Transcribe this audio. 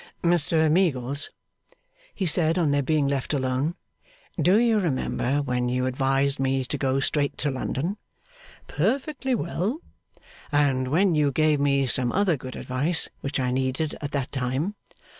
'Mr Meagles,' he said, on their being left alone, 'do you remember when you advised me to go straight to London?' 'Perfectly well.' 'And when you gave me some other good advice which I needed at that time?